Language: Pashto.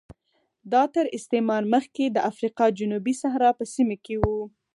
دا تر استعمار مخکې د افریقا جنوبي صحرا په سیمه کې و